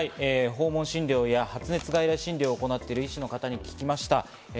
訪問診療や発熱外来の診療をやっている医師の方に聞きました。